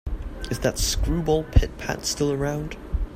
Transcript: Is that screwball Pit-Pat still around?